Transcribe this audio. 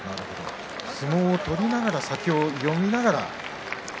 相撲を取りながら先を読みながら。